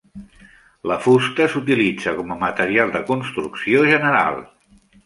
La fusta s'utilitza com a material de construcció general.